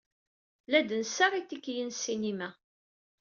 La d-nessaɣ itikiyen n ssinima.